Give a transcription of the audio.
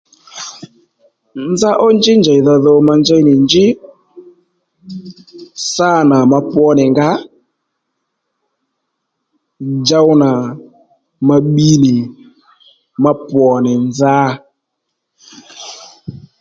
Nza ó njí njèydha dho ma njey nì njí sâ nà ma pwo nì nga jow nà ma bbi nì ma pwò nì nza